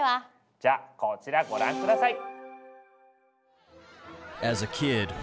じゃこちらご覧下さい！